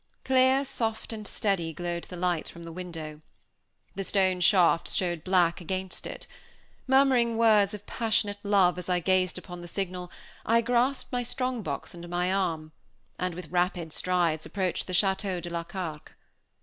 Clear, soft, and steady, glowed the light from the window. The stone shafts showed black against it. Murmuring words of passionate love as I gazed upon the signal, I grasped my strong box under my arm, and with rapid strides approached the Château de la Carque.